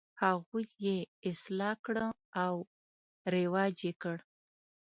هغوی یې اصلاح کړه او رواج یې کړ.